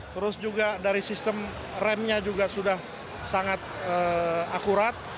terus juga dari sistem remnya juga sudah sangat akurat